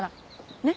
ねっ。